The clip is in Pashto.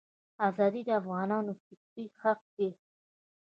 ازادي د افغانانو فطري حق دی.